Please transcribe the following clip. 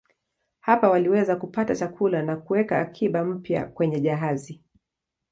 Hapa waliweza kupata chakula na kuweka akiba mpya kwenye jahazi.